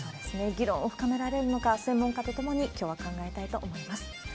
議論を深められるのか、専門家と共に、きょうは考えたいと思います。